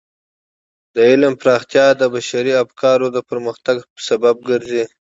د علم پراختیا د بشري افکارو د پرمختګ سبب ګرځي.